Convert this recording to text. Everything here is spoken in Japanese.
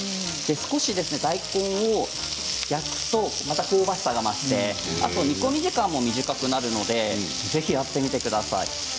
少し大根を焼くとまた香ばしさが増して、あと煮込み時間も短くなるのでぜひやってみてください。